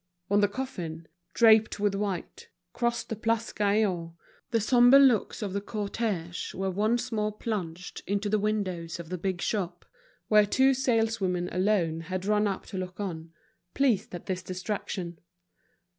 When the coffin, draped with white, crossed the Place Gaillon, the sombre looks of the cortege were once more plunged into the windows of the big shop, where two saleswomen alone had run up to look on, pleased at this distraction.